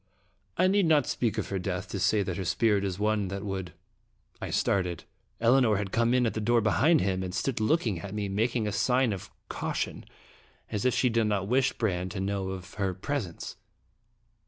I need not speak of her death to say that her spirit is one that would" I started. Elinor had come in at the door behind him, and stood looking at me, making a sign of caution, as if she did not wish Brande to know of her presence.